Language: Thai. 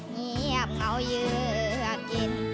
เงียบเหงาเยื่อกิน